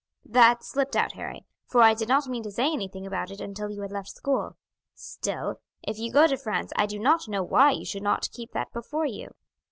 "That slipped out, Harry, for I did not mean to say anything about it until you had left school; still, if you go to France I do not know why you should not keep that before you.